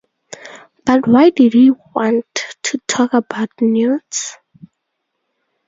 But why did he want to talk about newts?